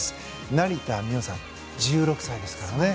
成田実生さん、１６歳です。